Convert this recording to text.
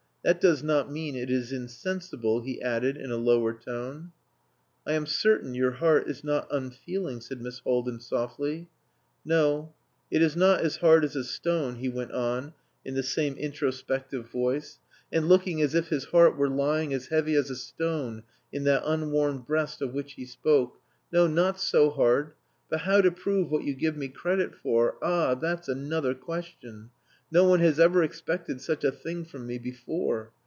That does not mean it is insensible," he added in a lower tone. "I am certain your heart is not unfeeling," said Miss Haldin softly. "No. It is not as hard as a stone," he went on in the same introspective voice, and looking as if his heart were lying as heavy as a stone in that unwarmed breast of which he spoke. "No, not so hard. But how to prove what you give me credit for ah! that's another question. No one has ever expected such a thing from me before.